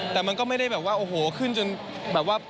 แต่มันก็ไม่ได้แบบว่าโอ้โหขึ้นจนแบบว่า